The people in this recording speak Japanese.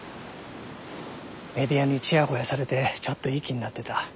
メディアにチヤホヤされてちょっといい気になってた。